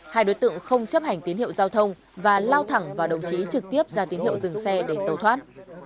hai đối tượng không chấp hành tín hiệu giao thông và lao thẳng vào đồng chí trực tiếp ra tín hiệu dừng xe để tẩu thoát